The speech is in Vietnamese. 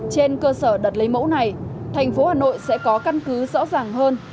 trên cơ sở đợt lấy mẫu này thành phố hà nội sẽ có căn cứ rõ ràng hơn